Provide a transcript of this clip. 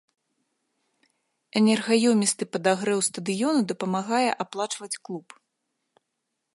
Энергаёмісты падагрэў стадыёну дапамагае аплачваць клуб.